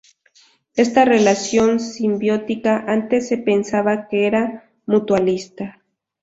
Esta relación simbiótica antes se pensaba que era mutualista.